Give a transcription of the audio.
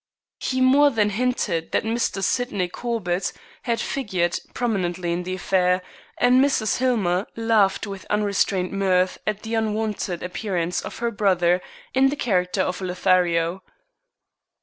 He more than hinted that Mr. Sydney Corbett had figured prominently in the affair; and Mrs. Hillmer laughed with unrestrained mirth at the unwonted appearance of her brother in the character of a Lothario.